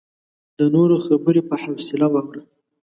د نورو خبرې په حوصله واوره.